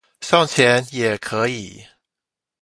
送錢也可以